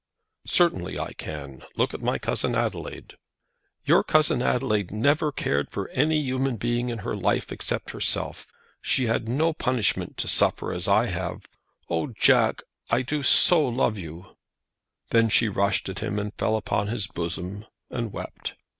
"Certainly I can. Look at my cousin Adelaide." "Your cousin Adelaide never cared for any human being in her life except herself. She had no punishment to suffer as I have. Oh, Jack! I do so love you." Then she rushed at him, and fell upon his bosom, and wept.